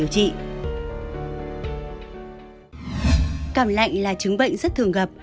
cảm lạnh là chứng bệnh rất thường gặp